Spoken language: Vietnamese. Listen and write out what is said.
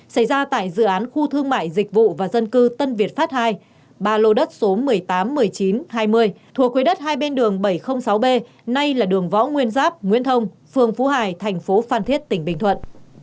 xảy ra tại dự án khu thương mại dịch vụ và dân cư tân việt phát hai ba lô đất số một trăm tám mươi một nghìn chín trăm hai mươi thuộc quê đất hai bên đường bảy trăm linh sáu b nay là đường võ nguyên giáp nguyễn thông phường phú hải tp phan thiết tỉnh bình thuận